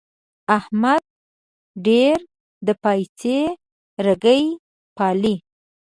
احمد ډېر د پايڅې رګی پالي.